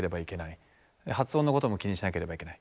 発音のことも気にしなければいけない。